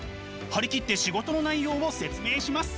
張り切って仕事の内容を説明します。